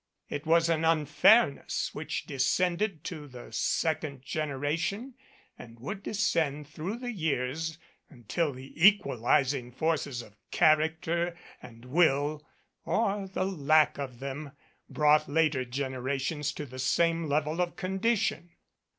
It was an unfairness which descended to the second generation and would descend through the years until the equalizing forces of character and will or the lack of them brought later generations to the same level of condition.